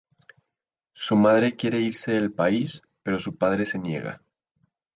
Su madre quiere irse del país; pero su padre se niega.